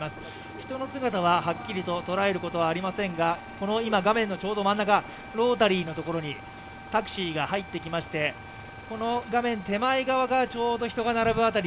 人の姿ははっきりと捉えることはありませんが、この今画面のちょうど真ん中、ロータリーのところに、タクシーが入ってきまして、この画面手前側がちょうど人が並ぶ辺り